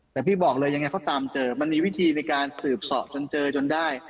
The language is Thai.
แต่พี่บอกเลยยังไงเขาตามเจอมันมีวิธีในการสืบสอบจนเจอจนได้